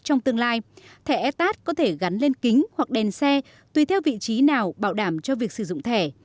trong tương lai thẻ etat có thể gắn lên kính hoặc đèn xe tùy theo vị trí nào bảo đảm cho việc sử dụng thẻ